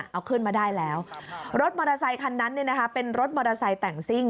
เอาขึ้นมาได้แล้วรถมอเตอร์ไซคันนั้นเป็นรถมอเตอร์ไซค์แต่งซิ่ง